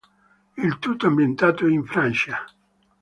Il tutto ambientato in Francia.